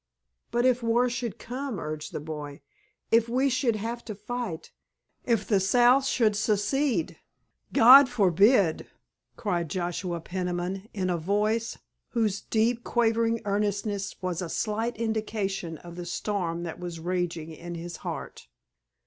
"But if war should come," urged the boy, "if we should have to fight—if the South should secede——" "God forbid!" cried Joshua Peniman, in a voice whose deep, quavering earnestness was a slight indication of the storm that was raging in his heart.